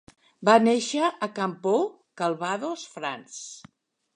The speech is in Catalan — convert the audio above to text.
Va néixer a Campeaux, Calvados, France.